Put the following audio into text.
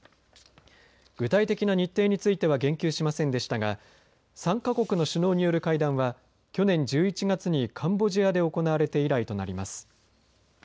具体的な日程については言及しませんでしたが３か国の首脳による会談は去年１１月にカンボジアで行われて以来となります。